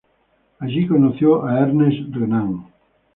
Allí conoció a Ernest Renan.